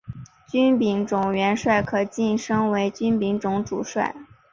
军兵种元帅可被晋升为军兵种主帅。